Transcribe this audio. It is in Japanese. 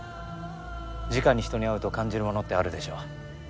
じかに人に会うと感じるものってあるでしょう。